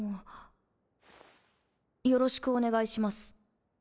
よろしくお願いします。